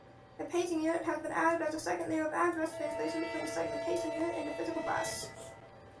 A paging unit has been added as a second layer of address translation between the segmentation unit and the physical bus.